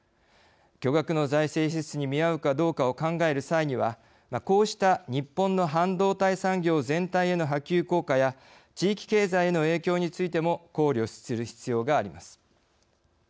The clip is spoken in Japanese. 巨額の財政支出に見合うかどうかを考える際にはこうした日本の半導体産業全体への波及効果や地域経済への影響についても考慮する必要があります。